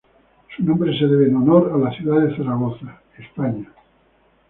Su nombre se debe en honor a la ciudad de Zaragoza, España.